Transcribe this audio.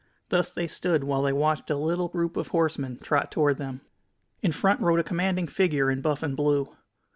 Thus they stood while they watched a little group of horsemen trot toward them. In front rode a commanding figure in buff and blue.